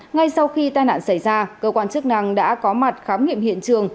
ngay sau khi tai nạn xảy ra cơ quan chức năng đã có mặt khám nghiệm hiện trường